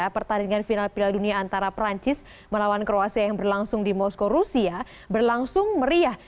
pertandingan final piala dunia antara perancis melawan kroasia yang berlangsung di moskow rusia berlangsung meriah